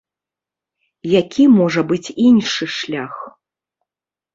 Які можа быць іншы шлях?